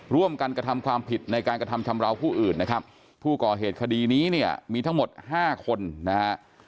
ร่วมกันกระทำความผิดในการกระทำชำราวผู้อื่นนะครับผู้ก่อเหตุคดีนี้เนี่ยมีทั้งหมดห้าคนนะฮะ